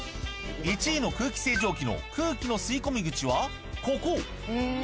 １位の空気清浄機の空気の吸い込み口はここ！